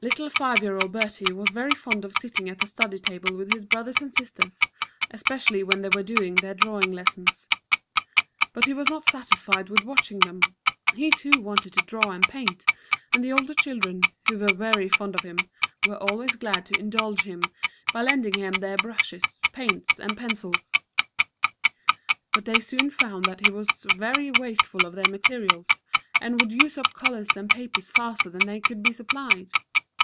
] Little five year old Bertie was very fond of sitting at the study table with his brothers and sisters, especially when they were doing their drawing lessons. But he was not satisfied with watching them. He too wanted to draw and paint, and the older children, who were very fond of him, were always glad to indulge him by lending him their brushes, paints, and pencils. But they soon found that he was very wasteful of their materials, and would use up colors and paper faster than they could be supplied.